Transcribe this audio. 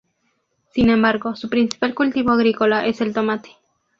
Sin embargo, su principal cultivo agrícola es el tomate.